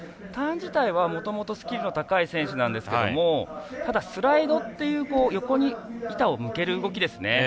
ターン自体はもともとスキルの高い選手ですがただ、スライドっていう横に板を向ける動きですね。